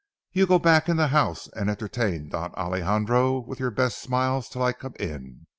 You go back in the house and entertain Don Alejandro with your best smiles till I come in.